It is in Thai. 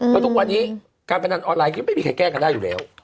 แล้วทุกวันนี้การพนันออนไลน์ก็ไม่มีใครแก้กันได้อยู่แล้ว